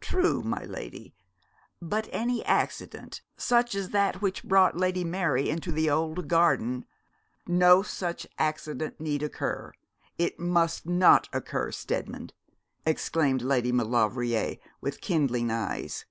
'True, my lady; but any accident, such as that which brought Lady Mary into the old garden ' 'No such accident need occur it must not occur, Steadman,' exclaimed Lady Maulevrier, with kindling eyes.